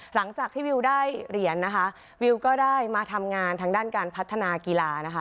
หลังจากที่วิวได้เหรียญนะคะวิวก็ได้มาทำงานทางด้านการพัฒนากีฬานะคะ